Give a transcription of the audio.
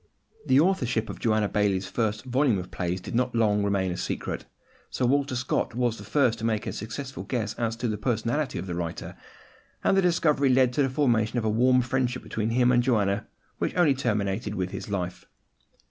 The authorship of Joanna Baillie's first volume of plays did not long remain a secret. Sir Walter Scott was the first to make a successful guess as to the personality of the writer; and the discovery led to the formation of a warm friendship between him and Joanna, which only terminated with his life.